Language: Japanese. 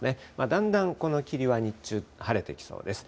だんだんこの霧は日中晴れてきそうです。